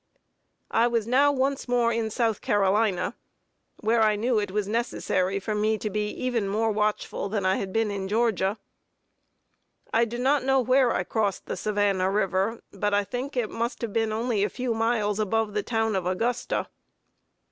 I was now once more in South Carolina, where I knew it was necessary for me to be even more watchful than I had been in Georgia. I do not know where I crossed the Savannah river, but I think it must have been only a few miles above the town of Augusta.